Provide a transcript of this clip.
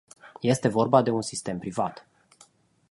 Este vorba de un sistem privat.